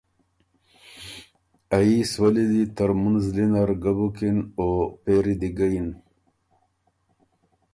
ا يي سولّي دی ترمُن زلی نر ګۀ بُکِن او پېری دی ګه یِن۔